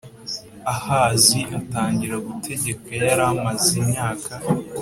Ahazi atangira gutegeka yari amaze imyaka